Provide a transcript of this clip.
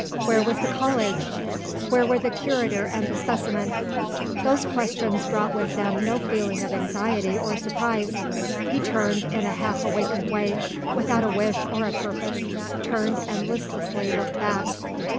Where was the College? Where were the Curator and the Specimen? Those questions brought with them no feeling of anxiety or surprise. He turned, in a half awakened way, without a wish or a purpose turned, and listlessly looked back.